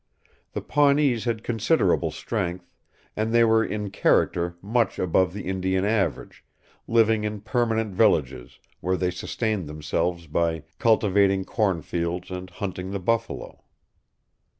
The Pawnees had considerable strength, and they were in character much above the Indian average, living in permanent villages, where they sustained themselves by cultivating cornfields and hunting the buffalo.